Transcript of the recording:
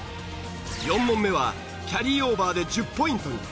４問目はキャリーオーバーで１０ポイントに。